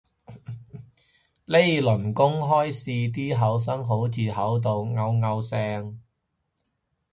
呢輪公開試啲考生好似考到拗拗聲